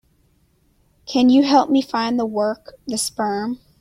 Can you help me find the work, The Sperm?